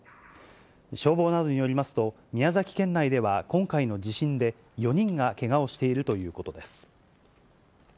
消防などによりますと、宮崎県内では今回の地震で４人がけがをしているということです。